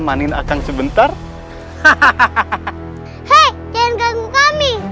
jangan ganggu kami